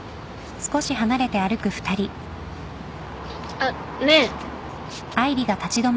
あっねえ。